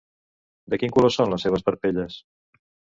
De quin color són les seves parpelles?